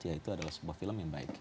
ya itu adalah sebuah film yang baik